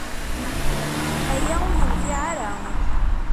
Aya ur iyi-yenfiɛ ara.